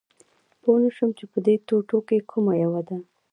پوه نه شوم چې په دې ټوټو کې کومه یوه ده